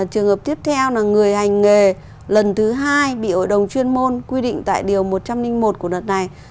trường hợp tiếp theo là người hành nghề lần thứ hai bị hội đồng chuyên môn quy định tại điều một trăm linh một của luật này